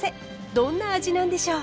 どんな味なんでしょう？